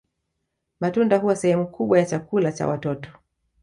Matunda huwa sehemu kubwa ya chakula cha watoto